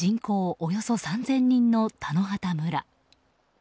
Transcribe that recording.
およそ３０００人の田野畑村。